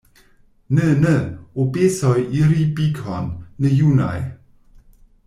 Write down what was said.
Ne, ne, Obesoj iri Bikon, ne junaj.